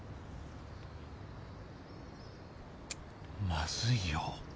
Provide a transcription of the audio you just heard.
まずいよ。